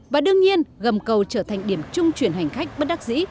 và đương nhiên gầm cầu trở thành điểm trung chuyển hành khách bất đắc dĩ